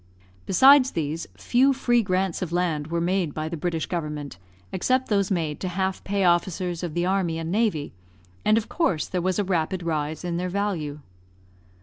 Besides these, few free grants of land were made by the British Government, except those made to half pay officers of the army and navy, and of course there was a rapid rise in their value.